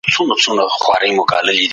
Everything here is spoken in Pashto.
د دولت دنده د سياسي چارو تنظيمول دي.